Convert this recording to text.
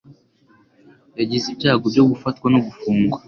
Yagize ibyago byo gufatwa no gufungwa